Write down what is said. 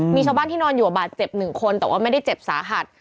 มีชาวบ้านที่นอนอยู่บาดเจ็บหนึ่งคนแต่ว่าไม่ได้เจ็บสาหัส